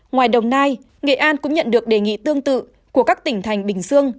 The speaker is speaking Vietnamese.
ngoài đồng nai nghệ an cũng nhận được đề nghị tương tự của các tỉnh thành bình dương